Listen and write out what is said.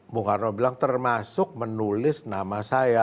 bung karno bilang termasuk menulis nama saya